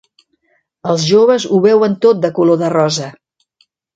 Els joves ho veuen tot de color de rosa.